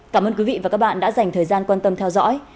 cảm ơn quý vị và các bạn đã dành thời gian quan tâm theo dõi